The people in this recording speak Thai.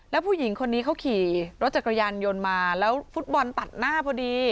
แล้วผู้หญิงคนนี้เขาขี่รถจักรยานยนต์มาแล้วฟุตบอลตัดหน้าพอดี